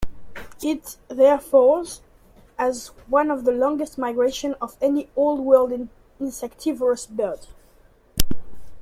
It therefore has one of the longest migrations of any Old World insectivorous bird.